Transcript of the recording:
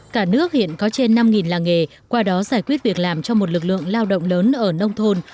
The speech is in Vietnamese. cả nước hiện có trên năm làng nghề qua đó giải quyết việc làm cho một lực lượng lao động lớn ở nông thôn